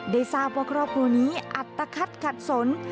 ได้ทราบว่าครอบครัวนี้อัตภัทขัดสน